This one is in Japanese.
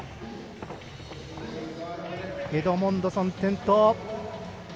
エドモンドソン、転倒。